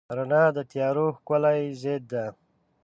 رڼا د تیارو ښکلی ضد دی.